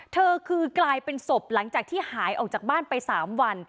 เธอกลายเป็นศพแล้วหายออกจากบ้านไป๓วัน